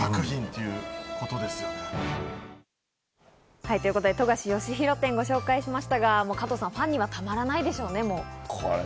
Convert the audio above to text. ということで冨樫義博展をご紹介しましたが、加藤さん、ファンにはたまらないでしょうね。